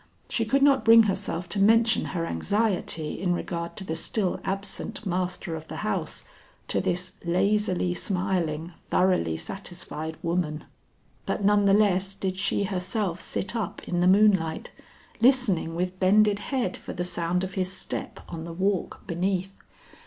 She could not bring herself to mention her anxiety in regard to the still absent master of the house, to this lazily smiling thoroughly satisfied woman. But none the less did she herself sit up in the moonlight, listening with bended head for the sound of his step on the walk beneath.